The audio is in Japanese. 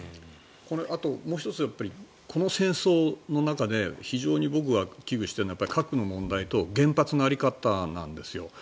もう１つ、この戦争の中で非常に僕が危惧しているのは核の問題と原発の在り方なんですよ。